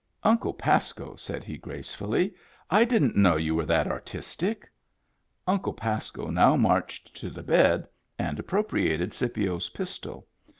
" Uncle Pasco," said he gracefully, " I didn't know you were that artistic." Uncle Pasco now marched to the bed, and ap propriated Scipio's pistol.